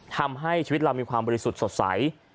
ทำให้ชีวิตเรามีความบริสุทธิ์สดใส